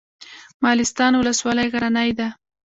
مالستان ولسوالۍ غرنۍ ده؟